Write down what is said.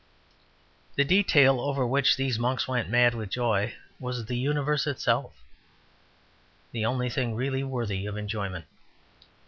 The detail over which these monks went mad with joy was the universe itself; the only thing really worthy of enjoyment.